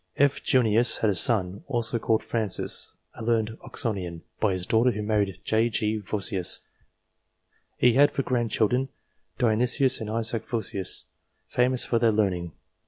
F. Junius had a son, also called Francis, a learned Oxonian ; by his daughter, who married J. G. Yossius, he had for grand children, Dionysius and Isaac Vossius, famous for their learning.